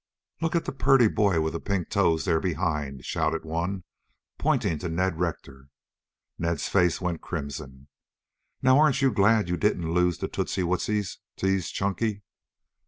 "Look at the purty boy with the pink toes there behind," shouted one, pointing to Ned Rector. Ned's face went crimson. "Now, aren't you glad you didn't lose the tootsie wootsies?" teased Chunky.